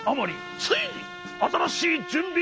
ついにあたらしいじゅんび